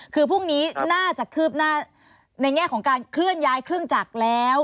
คือพรุ่งนี้น่าจะคืบหน้าในแง่ของการเคลื่อนย้ายเครื่องจักรแล้ว